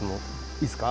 いいですか？